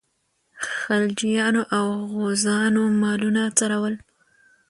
خلجیانو او غوزانو مالونه څرول.